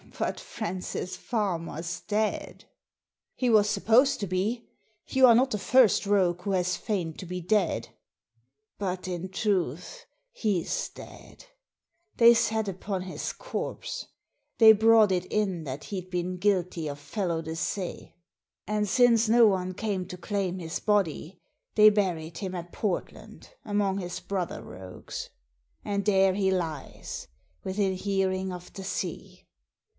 " But Francis Farmer's dead." Digitized by VjOOQIC A PACK OF CARDS 79 "He was supposed to be. You are not the first rogue who has feigned to be dead." "But, in truth, he's dead. They sat upon his corpse. They brought it in that he'd been guilty of felo de se. And, since no one came to claim his body, they buried him at Portland, among his brother rogues ; and there he lies, within hearing of the sea.